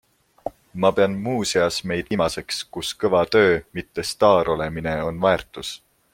Ma pean muuseas meid viimaseks, kus kõva töö, mitte staar olemine on väärtus.